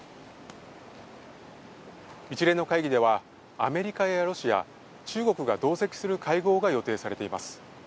一連の会議では、アメリカやロシア、中国が同席する会合が予定されています。